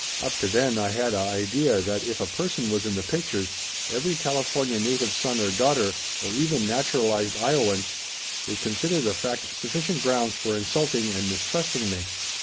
Up to then I had a idea that if a person was in the pictures every California native son or daughter, or even naturalized lowaian, would consider the fact sufficient grounds for insulting and mistrusting me.